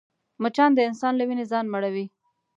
مچان د انسان له وینې ځان مړوي